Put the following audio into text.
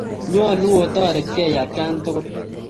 Nyalu otaretkey atkaan tukul